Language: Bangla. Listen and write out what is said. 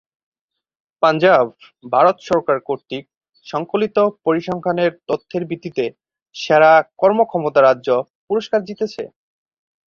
পাঞ্জাব ভারত সরকার কর্তৃক সংকলিত পরিসংখ্যানের তথ্যের ভিত্তিতে সেরা কর্মক্ষমতা রাজ্য পুরস্কার জিতেছে।